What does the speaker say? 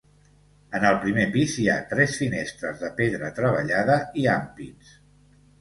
En el primer pis hi ha tres finestres de pedra treballada i ampits.